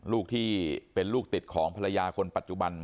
ลูกที่เป็นลูกติดของภรรยาคนปัจจุบัน